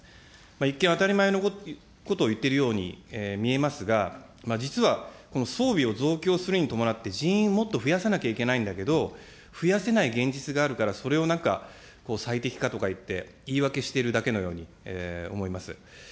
一見、当たり前のことをいってるように見えますが、実はこの装備を増強するに伴って、人員、もっと増やさなきゃいけないんだけれども、増やせない現実があるから、それをなんか最適化とか言って、言い訳してるだけのように思います。